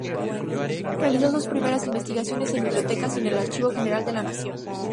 Realizó sus primeras investigaciones en bibliotecas y en el Archivo General de la Nación.